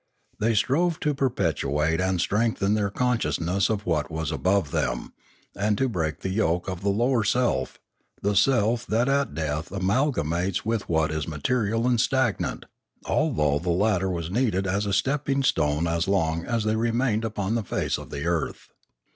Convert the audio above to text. They strove to perpetuate and strengthen their consciousness of what was above them, and to break the yoke of the lower self, the self that at death amalgamates with what is material and stagnant, al though the latter was needed as a stepping stone as long as they remained upon the face of the earth.